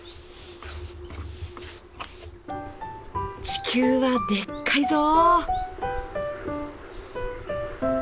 地球はでっかいぞ。